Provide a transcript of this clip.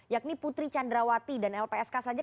yakni putri candrawati dan lpsk saja